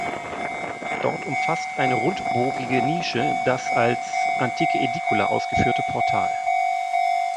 Dort umfasst eine rundbogige Nische das als antike Ädikula ausgeführte Portal.